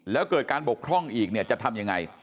แล้วเกิดการบกหร่องอีกจะทำอย่างไร